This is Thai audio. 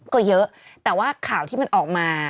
ก็เยอะแต่ว่าข่าวที่มันออกมา